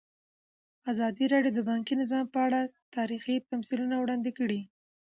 ازادي راډیو د بانکي نظام په اړه تاریخي تمثیلونه وړاندې کړي.